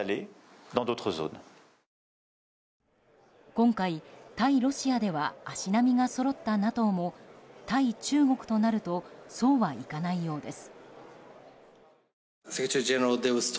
今回、対ロシアでは足並みがそろったＮＡＴＯも対中国となるとそうはいかないようです。